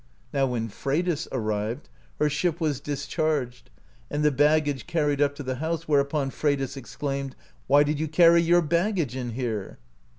Now when Freydis ar rived, her ship was discharged, and the baggage carried up to the house, whereupon Freydis exclaimed: "Why did you carry your baggage in here?''